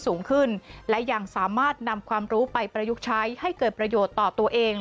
สูงขึ้นและยังสามารถนำความรู้ไปประยุกต์ใช้ให้เกิดประโยชน์ต่อตัวเอง